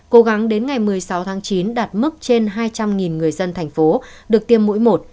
cố gắng đến ngày một mươi sáu tháng chín đạt mức trên hai trăm linh người dân thành phố được tiêm mũi một